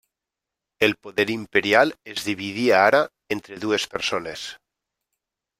El poder imperial es dividia ara entre dues persones.